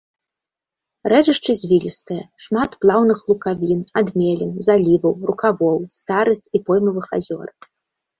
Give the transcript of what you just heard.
Рэчышча звілістае, шмат плаўных лукавін, адмелін, заліваў, рукавоў, старыц і поймавых азёр.